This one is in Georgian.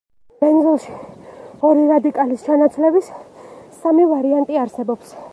ბენზოლში ორი რადიკალის ჩანაცვლების სამი ვარიანტი არსებობს.